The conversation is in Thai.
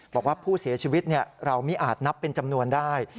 บอกว่าผู้เสียชีวิตเราไม่อาจนับเป็นจำนวนได้